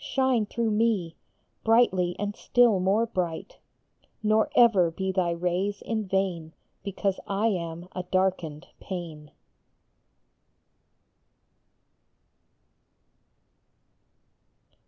shine through me Brightly and still more bright, Nor ever be thy rays in vain Because I am a " darkened pane."